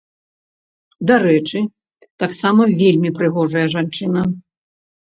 Дарэчы, таксама вельмі прыгожая жанчына.